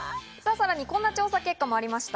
さらに、こんな調査結果もありました。